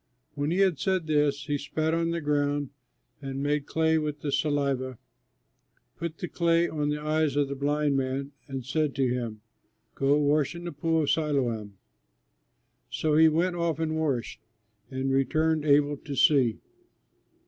When he had said this, he spat on the ground and made clay with the saliva, put the clay on the eyes of the blind man, and said to him, "Go, wash in the Pool of Siloam." So he went off and washed, and returned able to see.